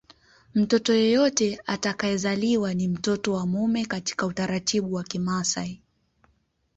Mtoto yeyote atakayezaliwa ni mtoto wa mume katika utaratibu wa Kimasai